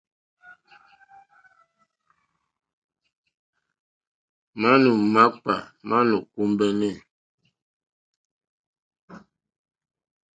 Manù makpà ma nò kombεnε.